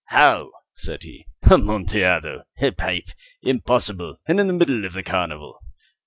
"How?" said he. "Amontillado? A pipe? Impossible! And in the middle of the carnival!"